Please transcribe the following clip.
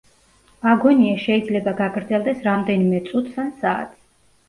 აგონია შეიძლება გაგრძელდეს რამდენიმე წუთს ან საათს.